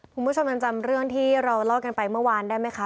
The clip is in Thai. คุณผู้ชมยังจำเรื่องที่เราเล่ากันไปเมื่อวานได้ไหมคะ